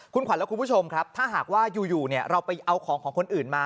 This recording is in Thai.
คุณขวัญและคุณผู้ชมครับถ้าหากว่าอยู่เราไปเอาของของคนอื่นมา